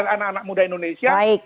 anak anak muda indonesia